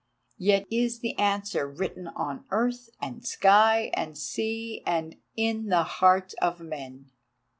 Yet is the answer written on earth and sky and sea, and in the hearts of men.